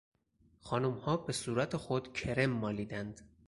خانمها به صورت خود کرم مالیدند.